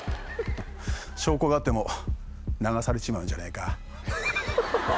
証拠があっても流されちまうんじゃねえか？